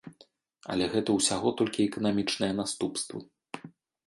Але гэта ўсяго толькі эканамічныя наступствы.